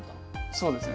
そうですね。